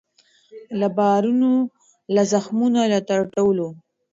له بارونو له زخمونو له ترټلو